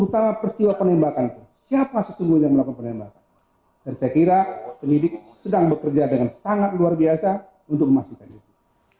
dan saya kira penyelidik sedang bekerja dengan sangat luar biasa untuk memastikan ini